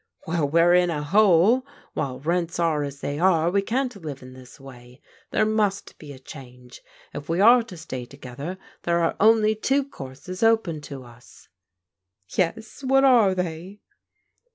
Well, we're in a hole. While rents are as they are, we can't live in this way ; there must be a change. If we are to stay together, there are only two courses open to us." " Yes, what are they